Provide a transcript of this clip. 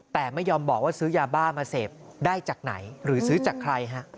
แต่ไม่ยอมบอกว่าซื้อยาบ้ามาเสพได้จากไหนหรือซื้อจากใครฮะ